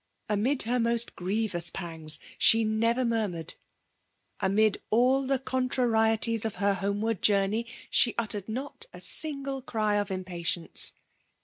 Amid ber most gxievous pang% die never murmiaed ; amid all the cantrarietieg of ber homeward journey, she uttered not a sili|§^le 8i|7 of impatience.